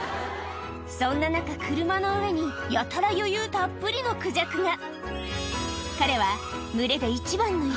そんな中、車の上に、やたら余裕たっぷりのクジャクが。